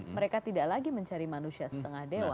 mereka tidak lagi mencari manusia setengah dewa